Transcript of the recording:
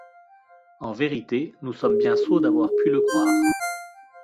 En vérité, nous sommes bien sots d’avoir pu le croire!...